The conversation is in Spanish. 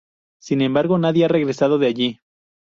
Sin embargo, nadie ha regresado de allí.